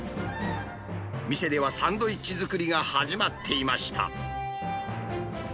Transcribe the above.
店ではサンドイッチ作りが始まっていました。